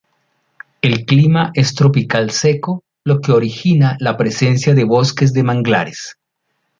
El clima es tropical seco lo que origina la presencia de bosques de manglares.